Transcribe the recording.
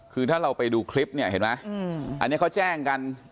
คือถ้าเราไปดูคลิปเนี่ยเห็นไหมอันนี้เขาแจ้งกัน